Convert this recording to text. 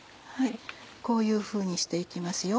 こういうふうにして行きます。